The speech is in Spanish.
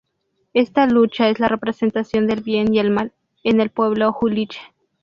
Esta lucha es la representación del bien y el mal, en el Pueblo Huilliche.